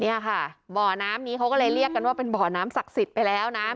เนี่ยค่ะบ่อน้ำนี้เขาก็เลยเรียกกันว่าเป็นบ่อน้ำศักดิ์สิทธิ์ไปแล้วนะ